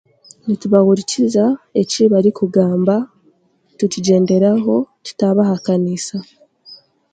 Nitubahirikiza eki barikugamba tukigyenderaho tutaabahakaniisa.